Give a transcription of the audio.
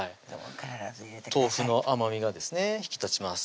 豆腐の甘みがですね引き立ちます